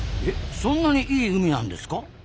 えっそんなにいい海なんですか？